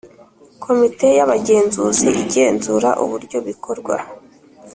Komite y’Abagenzuzi igenzura uburyo bikorwa